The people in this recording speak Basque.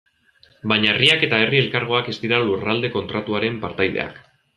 Baina herriak eta herri elkargoak ez dira Lurralde Kontratuaren partaideak.